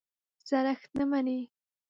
زړښت نه مني.